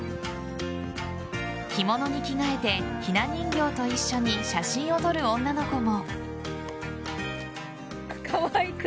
着物に着替えてひな人形と一緒に写真を撮る女の子も。